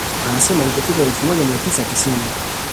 Anasema ilipofika elfu moja mia tisa tisini